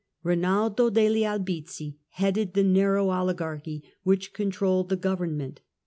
Kinaldo degli Albizzi ^^'^^"^ headed the narrow oHgarchy, which controlled the government.